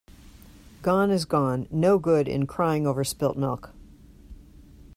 Gone is gone. No good in crying over spilt milk.